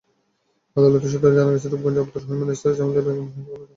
আদালত সূত্রে জানা গেছে, রূপগঞ্জের আবদুর রহিমের স্ত্রী জামিলা বেগম গৃহকর্মীর কাজ করতেন।